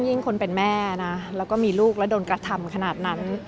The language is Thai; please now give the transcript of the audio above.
ยิ่งคนเป็นแม่นะแล้วก็มีลูกแล้วโดนกระทำขนาดนั้น